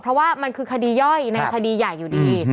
เพราะว่ามันคือคดีย่อยในคดีใหญ่อยู่ดี